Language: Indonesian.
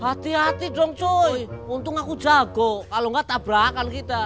hati hati dong joy untung aku jago kalau nggak tabrakan kita